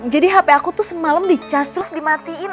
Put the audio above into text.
jadi hp aku tuh semalam dicas terus dimatiin